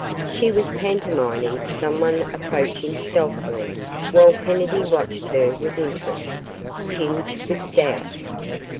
She was pantomiming someone approaching stealthily while Kennedy watched her with interest, tinged with doubt.